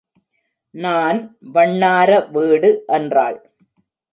நான் வண்ணார வீடு என்றாள்.